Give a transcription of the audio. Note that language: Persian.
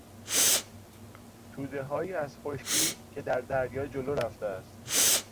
تودههایی از خشکی که در دریا جلو رفته است